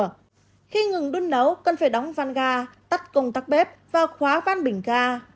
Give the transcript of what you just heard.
khi ngừng đun nấu cần phải đóng van ga tắt cùng tắt bếp và khóa van bình ga